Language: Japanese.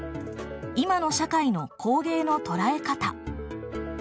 「今の社会の工芸の捉え方」。